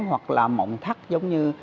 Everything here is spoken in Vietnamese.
hoặc là mọng thắt giống như